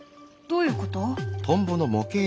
どういうこと？